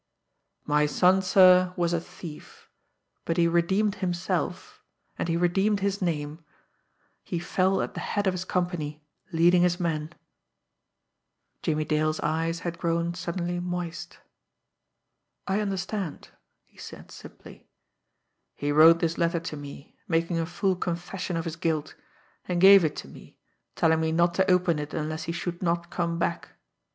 "My son, sir, was a thief; but he redeemed himself, and he redeemed his name he fell at the head of his company, leading his men." Jimmie Dale's eyes had grown suddenly moist. "I understand," he said simply. "He wrote this letter to me, making a full confession of his guilt; and gave it to me, telling me not to open it unless he should not come back."